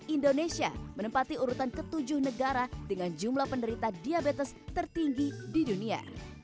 indonesia menempati urutan ke tujuh negara dengan jumlah penderita diabetes tertinggi di dunia